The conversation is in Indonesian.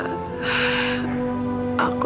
aku dan milo itu